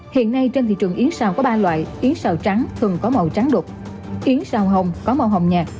hiện nay trên thị trường yến xào có ba loại yến xào trắng thường có màu trắng đục yến xào hồng có màu hồng nhạt